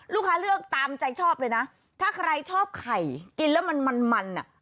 ลูกค้าเลือกตามใจชอบเลยนะถ้าใครชอบไข่กินแล้วมันมันอ่ะ